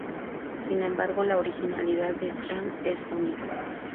Sin embargo, la originalidad de Zhang es único.